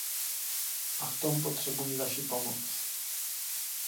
A v tom potřebuji vaši pomoc.